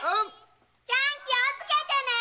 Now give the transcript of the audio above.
ちゃん気をつけてね！